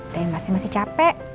teteh masih masih capek